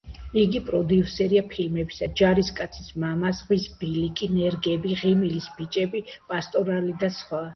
იგი პროდიუსერია ფილმებისა: „ჯარისკაცის მამა“, „ზღვის ბილიკი“, „ნერგები“, „ღიმილის ბიჭები“, „პასტორალი“ და სხვა.